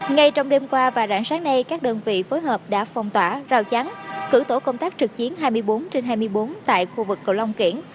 ngay trong đêm qua và rạng sáng nay các đơn vị phối hợp đã phong tỏa rào chắn cử tổ công tác trực chiến hai mươi bốn trên hai mươi bốn tại khu vực cầu long kiển